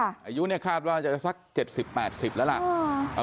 อายุเนี้ยคราบว่าจะสักเจ็ดสิบแปดสิบแล้วล่ะอ่า